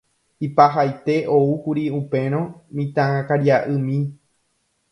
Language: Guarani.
Ipahaite oúkuri upérõ mitãkaria'ymi.